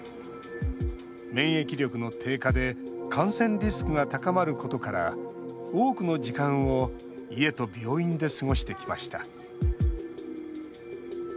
免疫力の低下で感染リスクが高まることから多くの時間を家と病院で過ごしてきました。